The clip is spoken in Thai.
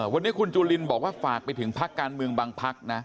วันนี้คุณจุลินบอกว่าฝากไปถึงพักการเมืองบางพักนะ